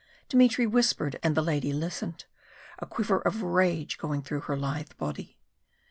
Dmitry whispered, and the lady listened, a quiver of rage going through her lithe body.